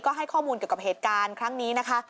ก็ให้ข้อมูลเกี่ยวกับเหตุการณ์ครั้งนี้นะคะ